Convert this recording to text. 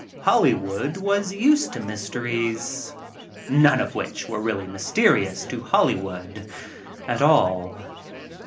Hollywood was used to mysteries — none of which were really mysteries to Hollywood at all.